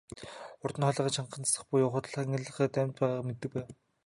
Урьд нь хоолойгоо чангахан засах буюу худал ханиалган амьд байгаагаа мэдэгддэг байв.